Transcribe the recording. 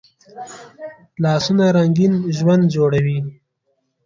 لاسونه رنګین ژوند جوړوي